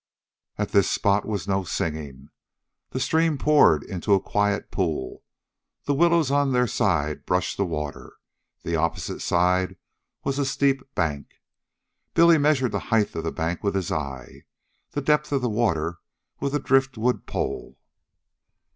At this spot was no singing. The stream poured into a quiet pool. The willows on their side brushed the water. The opposite side was a steep bank. Billy measured the height of the bank with his eye, the depth of the water with a driftwood pole.